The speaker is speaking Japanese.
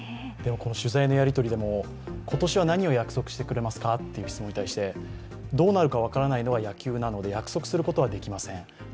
この取材のやりとりでも今年は何を約束してくれますかと聞くと、どうなるか分からないのが野球なので約束することは出来ませんと。